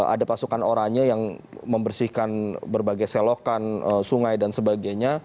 ada pasukan oranye yang membersihkan berbagai selokan sungai dan sebagainya